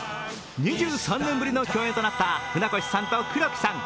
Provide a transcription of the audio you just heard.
２３年ぶりの共演となった船越さんと黒木さん。